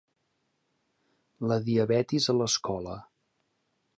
La diabetis a l'escola.